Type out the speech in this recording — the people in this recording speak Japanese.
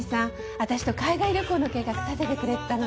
私と海外旅行の計画立ててくれてたのよ。